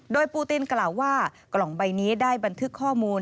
โดยปูตินกล่าวว่ากล่องใบนี้ได้บันทึกข้อมูล